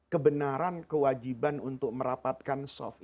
kebenaran kewajiban untuk merapatkan soft